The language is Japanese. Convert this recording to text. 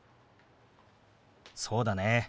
そうだね。